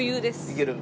いける？